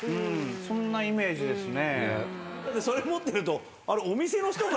そんなイメージですね。